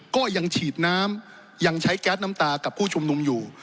ก็ยังฉีดน้ำยังใช้แก๊สน้ำตากับผู้ชุมนุมอยู่